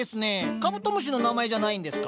カブトムシの名前じゃないんですか？